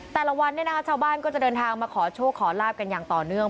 แต่ละวันเนี่ยนะคะชาวบ้านก็จะเดินทางมาขอโชคขอลาบกันอย่างต่อเนื่อง